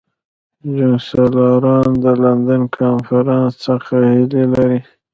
جنګسالاران د لندن کنفرانس څخه هیلې لري.